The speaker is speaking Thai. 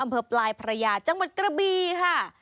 อำเภอปลายพระยาจังหวัดกระบีค่ะ